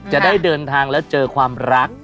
จะได้เดินทางแล้วเจอความรัก